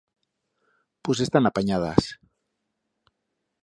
Pus estam apanyadas!